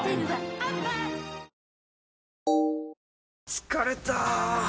疲れた！